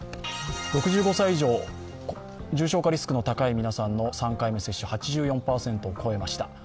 ６５歳以上、重症化リスクの皆さんの３回目接種率は８４％を超えました。